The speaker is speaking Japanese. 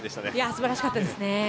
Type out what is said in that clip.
素晴らしかったですね。